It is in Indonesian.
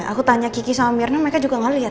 aku tanya kiki sama mirna mereka juga gak liat